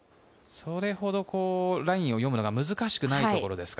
それほどラインを読むのが難しくないところですか？